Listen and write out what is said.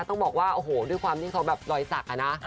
ต้องบอกว่าโอ้โหด้วยความที่เขาแบบรอยสักอะนะ